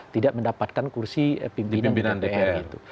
tidak mendapatkan kursi pimpinan dpr gitu